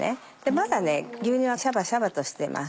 まだ牛乳はシャバシャバとしてます。